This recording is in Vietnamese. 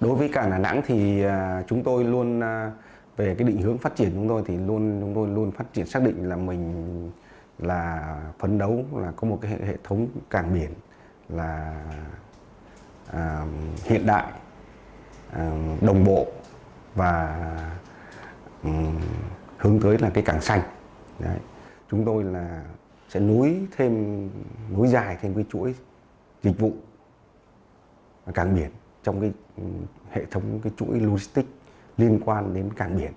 đối dài thêm với chuỗi dịch vụ cảng điện trong hệ thống chuỗi logistic liên quan đến cảng điện